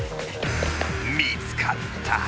［見つかった］